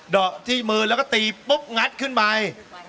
ดอกที่มือแล้วก็ตีปุ๊บงัดขึ้นไป